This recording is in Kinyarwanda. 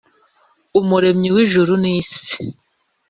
umuremyi w ijuru n isi